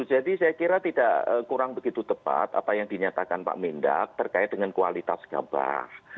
jadi saya kira tidak kurang begitu tepat apa yang dinyatakan pak mendak berkait dengan kualitas gabah